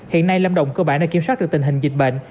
hiện nay lâm đồng cơ bản đã kiểm soát được tình hình dịch bệnh